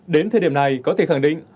đến thời điểm này có thể khẳng định